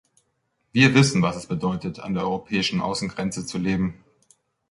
Wir wissen, was es bedeutet, an der europäischen Außengrenze zu leben.